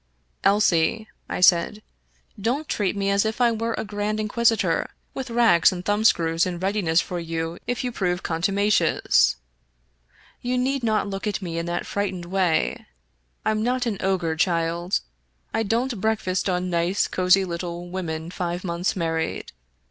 Elsie," I said, " don't treat me as if I were a grand in quisitor, with racks and thumbscrews in readiness for you if you prove contumacious. You need not look at me in that frightened way. Fm not an ogre, child. I don't break fast on nice, cozy little women five months married.